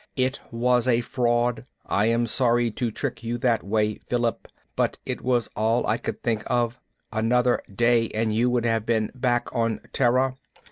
"It was a fraud. I am sorry to trick you that way, Philip, but it was all I could think of. Another day and you would have been back on Terra.